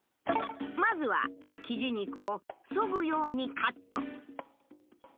まずはキジ肉をそぐようにカット。